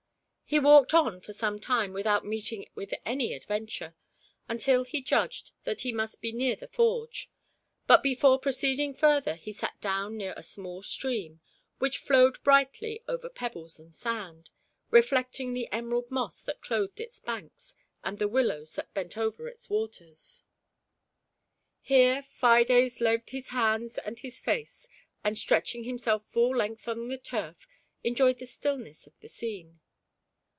He walked on for some time without meeting with any adventure, until he judged that he must be near the forge; but before proceeding further he sat down near a small stream, which flowed brightly over pebbles and sand, reflecting the emerald moss that clothed its banks, and the willows that bent over its waters. Here Fides laved his hands and his face, and stretch ing himself full length on the turf, enjoyed the stillness of the scene.